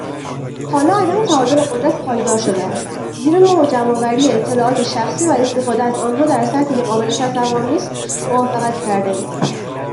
حالا، عدم تعادل قدرت پایدار شده است، زیرا ما با جمعآوری اطلاعات شخصی و استفاده از آنها در سطحی که قابل تصور نیست موافقت کردهایم